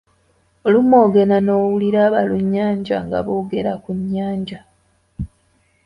Olumu ogenda n’owulira abalunnyanja nga boogera ku nnyanja.